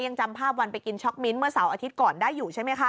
ยังจำภาพวันไปกินช็อกมิ้นท์เมื่อเสาร์อาทิตย์ก่อนได้อยู่ใช่ไหมคะ